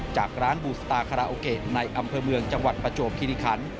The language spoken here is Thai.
จากร้านบูสตาคาราโอเกะในอำเภอเมืองจังหวัดประจวบคิริคัน